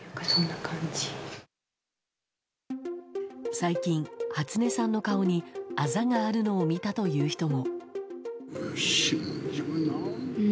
最近、初音さんの顔にあざがあるのを見たという人も。